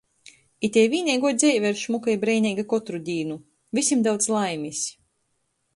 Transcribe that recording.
Itei vīneiguo dzeive ir šmuka i breineiga kotru dīnu!... Vysim daudz laimis!!!